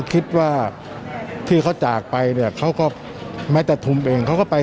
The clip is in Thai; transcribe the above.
คิดว่าที่เขาจากไปเนี่ยเขาก็แม้แต่ทุมเองเขาก็ไป